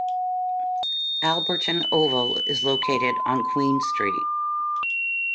Alberton Oval is located on Queen Street.